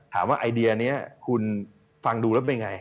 ถามว่าไอเดียนี้คุณฟังดูแล้วเป็นยังไง